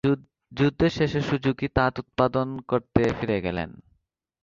যুদ্ধের শেষে, সুজুকি তাঁত উৎপাদন করতে ফিরে গেলেন।